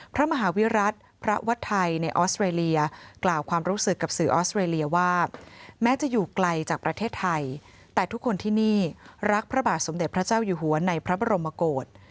พระมหาวิรัติพระวัดไทยในออสเตรเลียกล่าวความรู้สึกกับสื่อออสเตรเลียว่าแม้จะอยู่ไกลจากประเทศไทยแต่ทุกคนที่นี่รักพระบาทสมเด็จพระเจ้าอยู่หัวในพระบรมโกศ